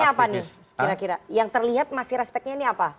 yang terlihat masih respectnya ini apa